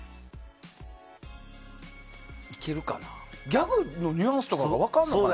ギャグのニュアンスとか分かるのかな。